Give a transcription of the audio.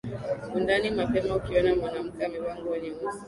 undani mapema Ukiona mwanamke amevaa nguo nyeusi